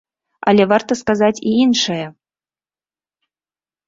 Але варта сказаць і іншае.